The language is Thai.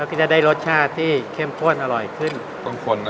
มันจะได้รสชาติเข้มข้นอร่อยขึ้น